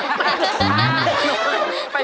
ทำไมเป็นทราบ